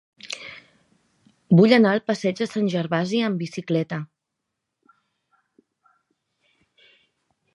Vull anar al passeig de Sant Gervasi amb bicicleta.